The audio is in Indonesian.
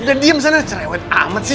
udah diem sana cerewet amat sih